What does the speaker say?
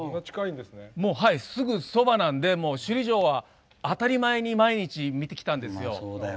すぐそばなので、首里城は当たり前に毎日、見てきたんです。